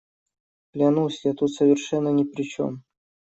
Клянусь, я тут совершенно ни при чем.